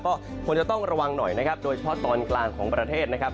ก็ควรจะต้องระวังหน่อยนะครับโดยเฉพาะตอนกลางของประเทศนะครับ